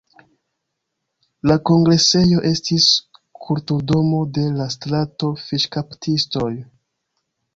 La kongresejo estis Kulturdomo de la Strato Fiŝkaptistoj.